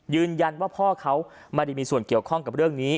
พ่อเขาไม่ได้มีส่วนเกี่ยวข้องกับเรื่องนี้